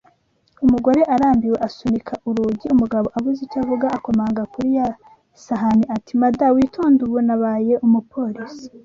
Umugore arambiwe asunika urugi umugabo abuze icyo avuga akomanga kuri ya sahani ati mada witonde ubu nabaye umuporisi